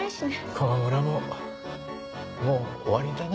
この村ももう終わりだな